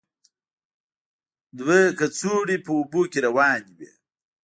دوه کڅوړې په اوبو کې روانې وې.